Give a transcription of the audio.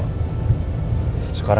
ini salah gue